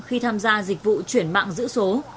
khi tham gia dịch vụ chuyển mạng giữ số